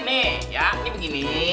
nih ya ini begini